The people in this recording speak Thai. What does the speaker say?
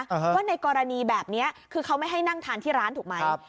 ว่าในกรณีแบบนี้คือเขาไม่ให้นั่งทานที่ร้านถูกไหม